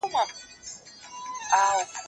زه مخکي منډه وهلې وه!.